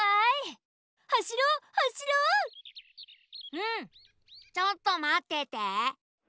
うんちょっとまってて。